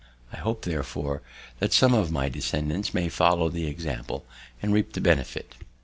I hope, therefore, that some of my descendants may follow the example and reap the benefit.